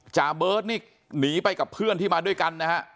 จาเบิร์ตนี่หนีไปกับเพื่อนที่มาด้วยกันนะฮะ